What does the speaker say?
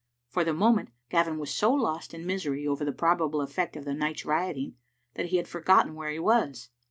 For the moment Gavin was so lost in mis ery over the probable effect of the night's rioting that he had forgotten where he was.